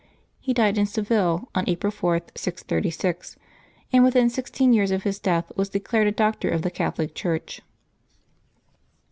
He died in Seville on April 4, 636, and within sixteen years of his death was declared a Doctor of the Catholic Church.